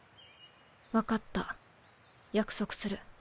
分かった約束する。